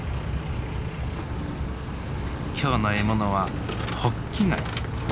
今日の獲物はホッキ貝。